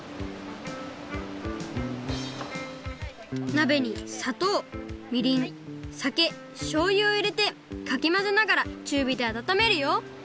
なべにさとうみりんさけしょうゆをいれてかきまぜながらちゅうびであたためるよ